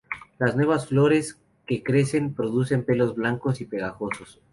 Las nuevas flores que crecen producen pelos blancos y pegajosos.